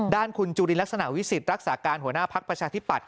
คุณจุลินลักษณะวิสิทธิ์รักษาการหัวหน้าภักดิ์ประชาธิปัตย